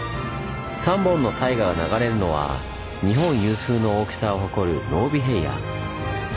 ３本の大河が流れるのは日本有数の大きさを誇る濃尾平野。